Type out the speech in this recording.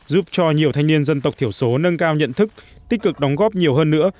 giúp cho nhiều thanh niên dân tộc thiểu số nâng cao nhận thức tích cực đóng góp nhiều hơn nữa